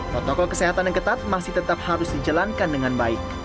protokol kesehatan yang ketat masih tetap harus dijalankan dengan baik